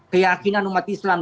keyakinan umat islam